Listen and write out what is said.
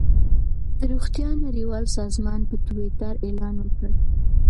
د روغتیا نړیوال سازمان په ټویټر اعلان وکړ.